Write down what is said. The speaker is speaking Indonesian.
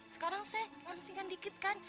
sekarang saya langsingkan dikitkan